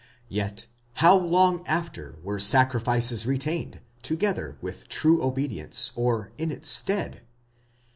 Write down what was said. yet how long after were sacrifices retained together with true obedience, or in its stead!